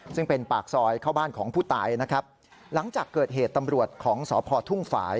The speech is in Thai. ซึ่งเป็นปากซอยเข้าบ้านของผู้ตายนะครับหลังจากเกิดเหตุตำรวจของสพทุ่งฝ่าย